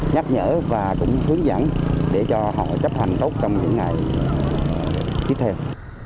nhắc nhở và cũng hướng dẫn để cho họ chấp hành tốt trong những ngày tiếp theo